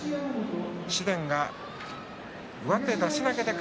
紫雷が上手出し投げです。